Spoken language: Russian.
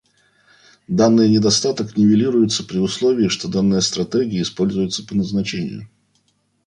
Данный недостаток нивелируется при условии, что данная стратегия используется по назначению